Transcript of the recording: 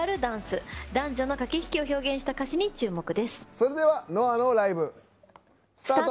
それでは ＮＯＡ のライブスタート。